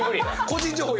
個人情報